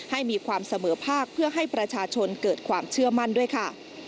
ให้มีความเสมอภาคเพื่อให้ประชาชนเกิดความเชื่อมั่นด้วยค่ะ